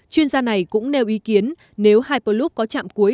chuyên gia này cũng nêu ý kiến nếu hyperloop có chạm cuối